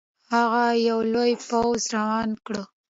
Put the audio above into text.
هغه یو لوی پوځ روان کړ.